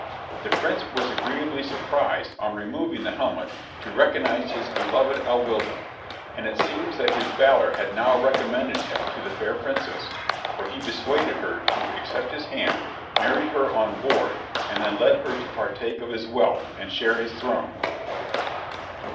The prince was agreeably surprised, on removing the helmet, to recognize his beloved Alwilda; and it seems that his valor had now recommended him to the fair princess, for he persuaded her to accept his hand, married her on board, and then led her to partake of his wealth, and share his throne.